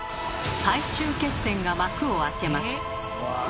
最終決戦が幕を開けます！